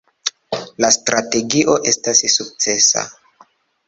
La strategio estas sukcesa.